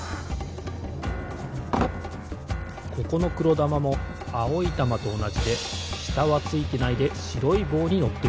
ここのくろだまもあおいたまとおなじでしたはついてないでしろいぼうにのってるんです。